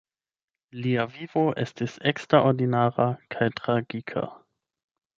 Lia vivo estis eksterordinara kaj tragika.